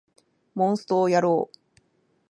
モンストをやろう